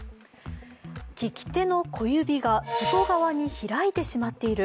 利き手の小指が外側に開いてしまっている。